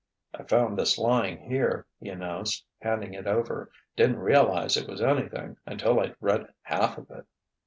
"I found this lying here," he announced, handing it over "didn't realize it was anything until I'd read half of it."